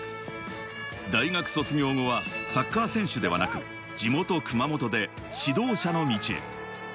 大学卒業後はサッカー選手ではなく、地元・熊本で指導者の道へ。